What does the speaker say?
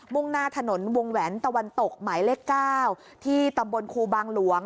่งหน้าถนนวงแหวนตะวันตกหมายเลข๙ที่ตำบลครูบางหลวง